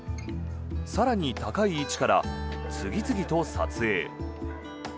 更に高い位置から次々と撮影。